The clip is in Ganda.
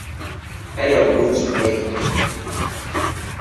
Talya bulungi mmere.